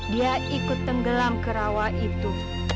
dia ikut tenggelam kerawa itu